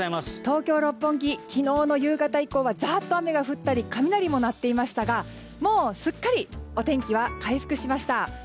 東京・六本木、昨日の夕方以降はざーっと雨が降ったり雷も鳴っていましたがすっかりお天気は回復しました。